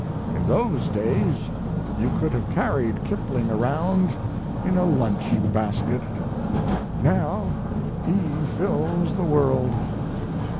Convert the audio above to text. In those days you could have carried Kipling around in a lunch basket; now he fills the world.